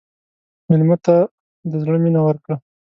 مېلمه ته د زړه مینه ورکړه.